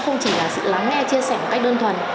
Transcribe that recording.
không chỉ là sự lắng nghe chia sẻ một cách đơn thuần